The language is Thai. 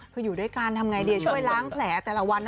คืออยู่ด้วยกันทำไงดีช่วยล้างแผลแต่ละวัน